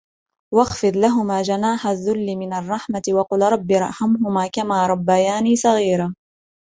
وَاخْفِضْ لَهُمَا جَنَاحَ الذُّلِّ مِنَ الرَّحْمَةِ وَقُلْ رَبِّ ارْحَمْهُمَا كَمَا رَبَّيَانِي صَغِيرًا